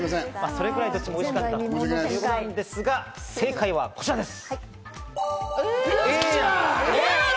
それぐらいどちらも惜しかったということですが、正解はこちらです。